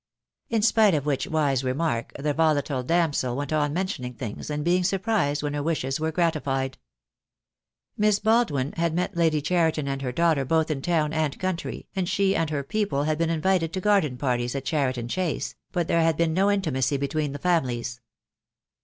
In spite of which wise remark the volatile damsel went on mentioning things, and being surprised when her wishes were gratified. 23O THE DAY WILL COME. Miss Baldwin had met Lady Cheriton and her daughter both in town and country, and she and her people had been invited to garden parties at Cheriton Chase, but there had been no intimacy between the families.